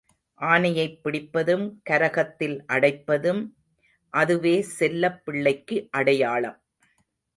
ஆனையைப் பிடிப்பதும் கரகத்தில் அடைப்பதும் அதுவே செல்லப் பிள்ளைக்கு அடையாளம்.